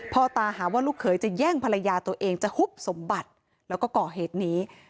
พ่อตาหาว่าลูกเขยจะแย่งภรรยาตัวเองจะฮุบสมบัติแล้วก็ก่อเหตุนี้